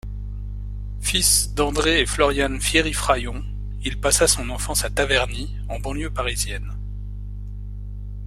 Fils d'André et Floriane Fierry-Fraillon, il passa son enfance à Taverny, en banlieue parisienne.